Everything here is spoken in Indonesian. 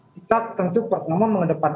kita tentu pertama menghadapan